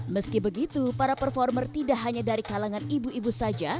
meski begitu para performer tidak hanya dari kalangan ibu ibu saja